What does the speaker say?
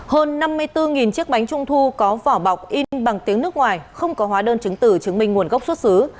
hơn năm mươi bốn chiếc bánh trung thu có vỏ bọc in bằng tiếng nước ngoài không có hóa đơn chứng tử chứng minh nguồn gốc xuất xứ